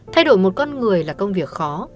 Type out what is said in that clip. thay đổi một con người là công việc khó